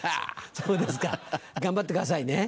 そうですか頑張ってくださいね。